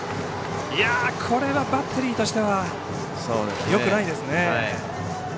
これはバッテリーとしてはよくないですね。